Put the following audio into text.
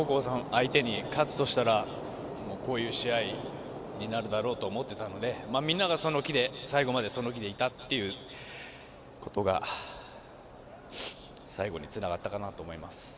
相手に勝つとしたらこういう試合になるだろうと思っていたのでみんなが、最後までその気でいたっていうことが最後につながったかなと思います。